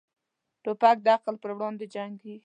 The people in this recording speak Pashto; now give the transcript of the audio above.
توپک د عقل پر وړاندې جنګيږي.